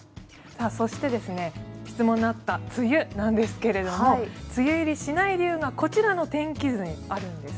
そして、質問のあった梅雨なんですけど梅雨入りしない理由がこちらの天気図にあるんです。